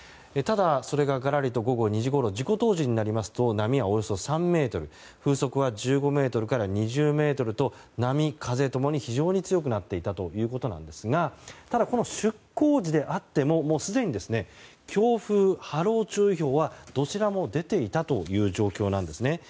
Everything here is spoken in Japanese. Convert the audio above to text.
それが午後２時ごろ事故当時になると波はおよそ３ｍ風速は１５メートルから２０メートルと波、風共に非常に強くなっていたということですがただ、この出港時であってもすでに強風・波浪注意報は、どちらも出ていたという状況なんです。